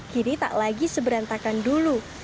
kini tak lagi seberantakan dulu